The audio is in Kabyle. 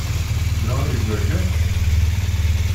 Nniɣ-ak-d akka?